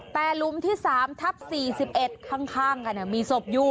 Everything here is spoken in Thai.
แต่หลุมที่๓ทับ๔๑ข้างกันมีศพอยู่